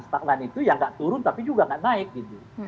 stagnan itu ya nggak turun tapi juga nggak naik gitu